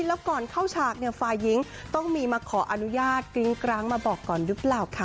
แล้วก่อนเข้าฉากเนี่ยฝ่ายหญิงต้องมีมาขออนุญาตกริ้งกร้างมาบอกก่อนหรือเปล่าคะ